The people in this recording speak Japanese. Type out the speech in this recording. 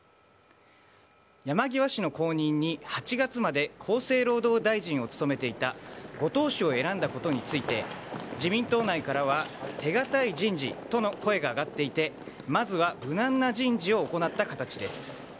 山際氏の後任に８月まで厚生労働大臣を務めていた後藤氏を選んだことについて、自民党内からは手堅い人事との声が上がっていて、まずは無難な人事を行った形です。